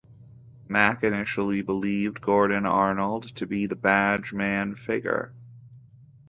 Mack initially believed Gordon Arnold to be the Badge Man figure.